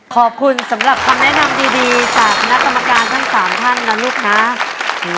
ขอบคุณสำหรับคำแนะนำดีจากคณะกรรมการทั้ง๓ท่านนะลูกนะ